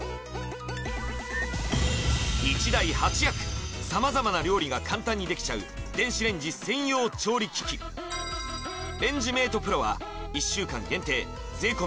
１台８役様々な料理が簡単にできちゃう電子レンジ専用調理機器レンジメートプロは１週間限定税込